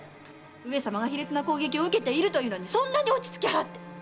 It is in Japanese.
上様が卑劣な攻撃を受けているというのに落ち着き払って！